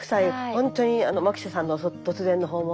本当に牧瀬さんの突然の訪問